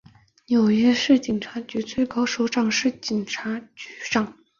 纽约市警察局最高首长是警察局长。